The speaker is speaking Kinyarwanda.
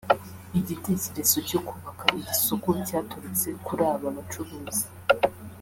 Igitekerezo cyo kubaka iri soko cyaturutse kuri aba bacuruzi